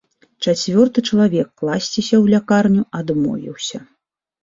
Чацвёрты чалавек класціся ў лякарню адмовіўся.